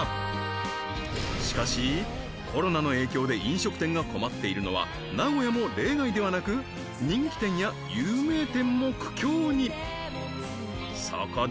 しかしコロナの影響で飲食店が困っているのは名古屋も例外ではなく人気店や有名店も苦境にそこで！